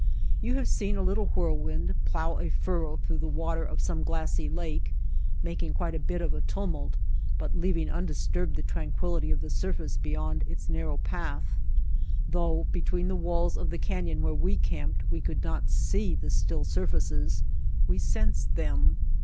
You have seen a little whirlwind plow a furrow through the water of some glassy lake, making quite a bit of a tumult, but leaving undisturbed the tranquil lity of the surface beyond its narrow path. Though between the walls of the canyon where we camped we could not see the still surfaces, we sensed them.